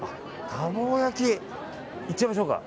いっちゃいましょうか。